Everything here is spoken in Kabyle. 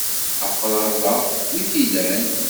Aqṛab-a wi t-ilan?